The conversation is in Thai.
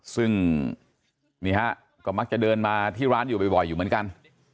ซึ่งนี่ฮะก็มักจะเดินมาที่ร้านอยู่บ่อยอยู่เหมือนกัน